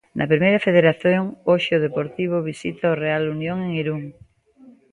Na Primeira Federación hoxe o Deportivo visita o Real Unión en Irún.